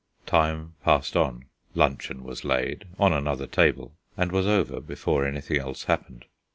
Time passed on. Luncheon was laid on another table and was over, before anything else happened.